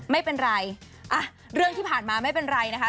ไม่เป็นไรอ่ะเรื่องที่ผ่านมาไม่เป็นไรนะคะ